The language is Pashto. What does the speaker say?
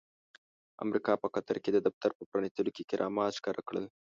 امريکا په قطر کې د دفتر په پرانستلو کې کرامات ښکاره کړل.